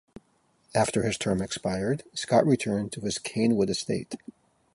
After his term expired, Scott returned to his Canewood estate.